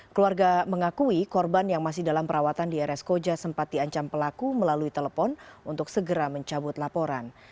keluarga mengakui korban yang masih dalam perawatan di rs koja sempat diancam pelaku melalui telepon untuk segera mencabut laporan